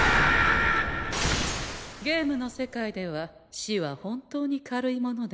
ゲームの世界では死は本当に軽いものでござんすね。